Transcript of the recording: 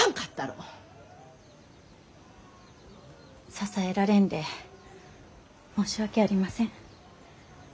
支えられんで申し訳ありません。